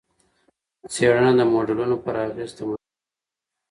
څېړنه د موډلونو پر اغېز تمرکز کوي.